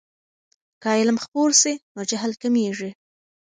که علم خپور سي نو جهل کمېږي.